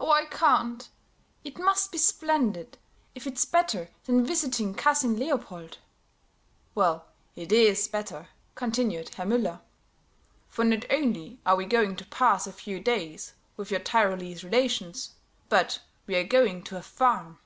"Oh, I can't. It must be splendid, if it's better than visiting Cousin Leopold." "Well, it is better," continued Herr Müller; "for not only are we going to pass a few days with your Tyrolese relations, but we are going to a farm."